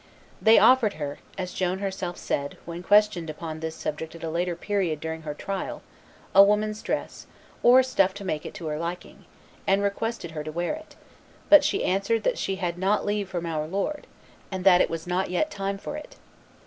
"They offered her," as Joan herself said, when questioned upon this subject at a later period during her trial, "a woman's dress, or stuff to make it to her liking, and requested her to wear it; but she answered that she had not leave from our Lord, and that it was not yet time for it."